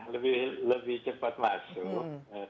lebih cepat masuk